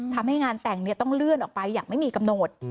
ทำให้งานแต่งต้องเลื่อนออกไปอย่างไม่มีกำหนด